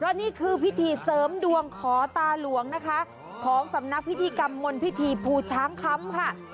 นี่คือพิธีเสริมดวงขอตาหลวงนะคะของสำนักพิธีกรรมมนต์พิธีภูช้างคำค่ะ